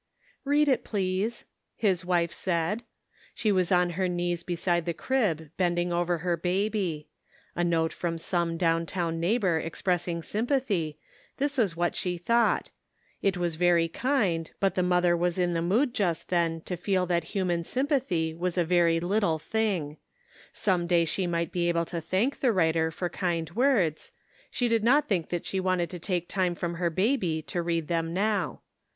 "Read it, please," his wife said. She was on her knees beside the crib, bending over her baby. A note from some down town neighbor expressing sympathy — this was what she thought; it was very kind, but the mother was in the mood just then to feel that human sympathy was a very little thing ; some day she might be able to thank the writer for kind words ; she did not think that she wanted 353 The Answer. 359 to take time from her baby to read them now.